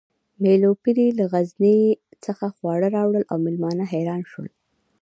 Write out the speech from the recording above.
مېلو پېري له غزني څخه خواړه راوړل او مېلمانه حیران شول